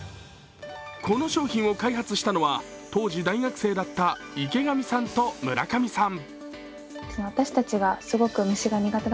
この商品を開発したのは、当時大学生だった池上さんと村上さん。